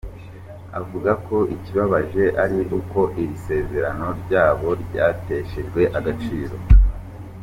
Avuga ko ikibabaje ari uko iri sezerano ryabo ryateshejwe agaciro.